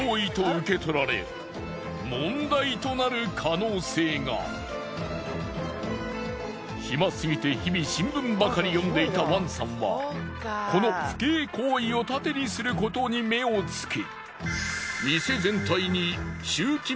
そう中国では暇すぎて日々新聞ばかり読んでいたワンさんはこの不敬行為を盾にすることに目をつけ。